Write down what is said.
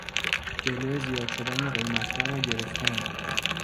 جلو زیاد شدن قیمتها را گرفتن